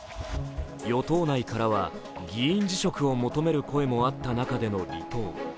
与党内からは議員辞職を求める声もあった中での離党。